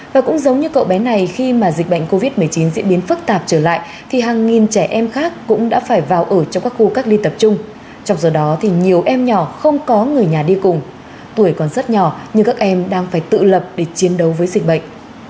và cũng giống như cậu bé này khi mà dịch bệnh covid một mươi chín diễn biến phức tạp trở lại thì hàng nghìn trẻ em khác cũng đã phải vào ở trong các khu cách ly tập trung trong do đó thì nhiều em nhỏ không có người nhà đi cùng tuổi còn rất nhỏ nhưng các em đang phải tự lập để chiến đấu với dịch bệnh